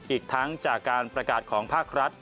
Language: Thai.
อีกทั้งจากการประกาศของภาครัฐ